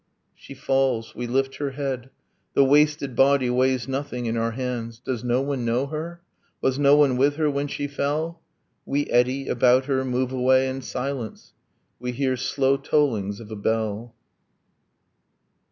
.... She falls. We lift her head. The wasted body Weighs nothing in our hands. Does no one know her? Was no one with her when she fell? ... We eddy about her, move away in silence. We hear slow tollings of a bell.